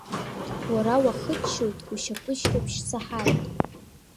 Уара уахыччоит, ушьапышьҭыбжь саҳаит.